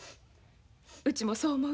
うちもそう思う。